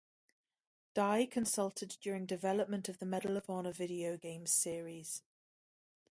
Dye consulted during development of the "Medal of Honor" video games series.